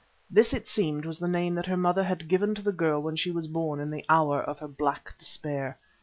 This, it seemed, was the name that her mother had given to the girl when she was born in the hour of her black despair.